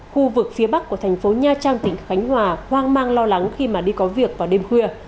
khu vực phía bắc của thành phố nha trang tỉnh khánh hòa hoang mang lo lắng khi mà đi có việc vào đêm khuya